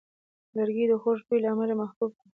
لرګی د خوږ بوی له امله محبوب دی.